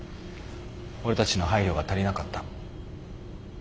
俺たちの配慮が足りなかった。